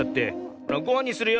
ほらごはんにするよ。